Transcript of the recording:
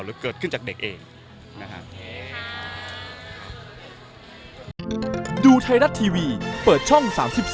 หรือเกิดขึ้นจากเด็กเอง